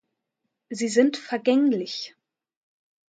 Sie sind vergänglich.